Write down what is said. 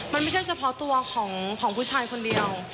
มันไม่ใช่เฉพาะตัวของผู้ชายคนเดียว